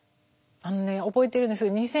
あのね覚えてるんです